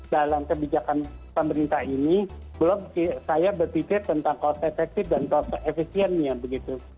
dalam kebijakan pemerintah ini belum saya berpikir tentang konsep efektif dan kalau efisiennya begitu